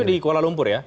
itu di kuala lumpur ya